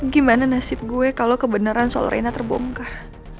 gimana nasib gue kalo kebeneran soal rena terbongkar